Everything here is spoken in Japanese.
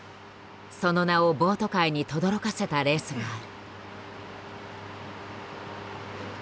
その名をボート界にとどろかせたレースがある。